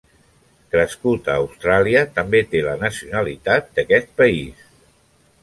Crescut a Austràlia, també té la nacionalitat d'aquest país.